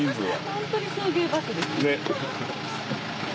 本当に送迎バスですね。